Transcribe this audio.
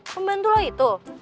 pembantu lo itu